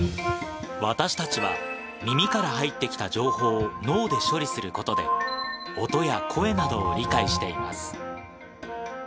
私たちは、耳から入ってきた情報を脳で処理することで、音や声などを理解しています。